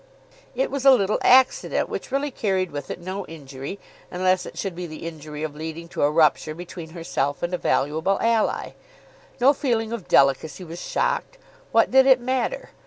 It was a little accident which really carried with it no injury, unless it should be the injury of leading to a rupture between herself and a valuable ally. No feeling of delicacy was shocked. What did it matter?